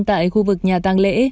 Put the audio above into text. tại khu vực nhà tăng lễ